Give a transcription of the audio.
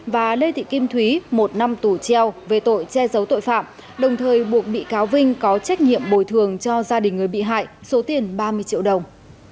và lê thị kim thúy một năm tù treo về tội che giấu tội phạm đồng thời buộc bị cáo vinh có trách nhiệm bồi thường cho gia đình người bị hại số tiền ba mươi triệu đồng